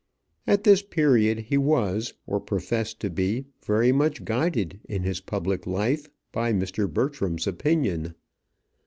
At this period he was, or professed to be, very much guided in his public life by Mr. Bertram's opinion.